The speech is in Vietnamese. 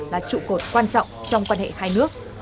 là trụ cột quan trọng trong quan hệ hai nước